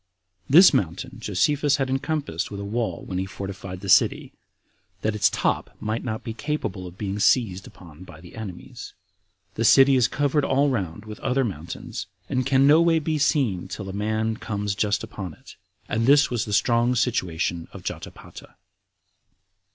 This mountain Josephus had encompassed with a wall when he fortified the city, that its top might not be capable of being seized upon by the enemies. The city is covered all round with other mountains, and can no way be seen till a man comes just upon it. And this was the strong situation of Jotapata.